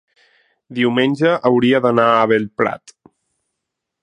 diumenge hauria d'anar a Bellprat.